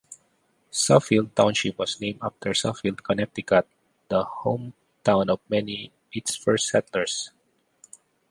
Suffield Township was named after Suffield, Connecticut, the hometown of many its first settlers.